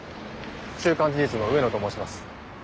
「週刊事実」の上野と申します。